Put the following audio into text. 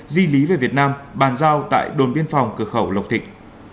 di lý về việt nam bàn giao tại đồn biên phòng cửa khẩu lộc thịnh